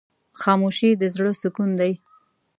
خاموشي، د زړه سکون دی.